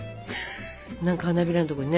何か花びらのところにね。